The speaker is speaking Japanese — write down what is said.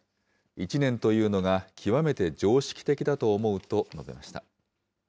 １年というのが極めて常識的だと思うと述べました。